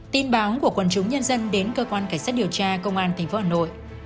tin báo của quần chúng nhân dân đến cơ quan cảnh sát điều tra công an tp hà nội